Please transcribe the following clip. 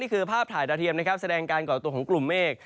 นี่คือภาพถ่ายดาเทียมแสดงการก่อตัวของกลุ่มเมฆ